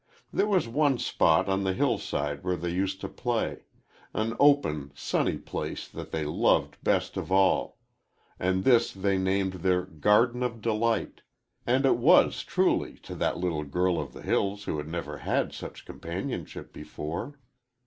There was one spot on the hillside where they used to play an open, sunny place that they loved best of all and this they named their Garden of Delight; and it was truly that to the little girl of the hills who had never had such companionship before.